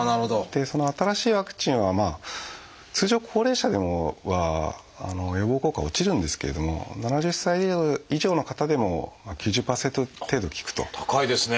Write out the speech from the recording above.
その新しいワクチンは通常高齢者では予防効果は落ちるんですけれども７０歳以上の方でも９０％程度効くと。